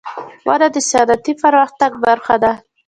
• ونه د صنعتي پرمختګ برخه ده.